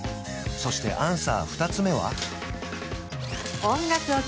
そしてアンサー２つ目は？